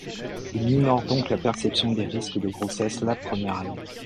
Il minore donc la perception des risques de grossesse la première année.